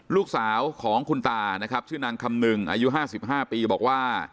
ลูกสาวของคุณตานะครับชื่อนางคำนึงอายุ๕๕ปีบอกว่า